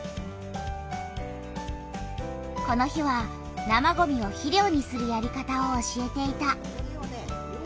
この日は生ごみを肥料にするやり方を教えていた。